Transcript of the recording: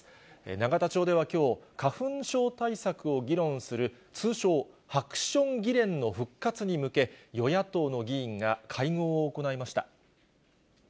永田町ではきょう、花粉症対策を議論する、通称、ハクション議連の復活に向け、与野党の議員が会合を行いました。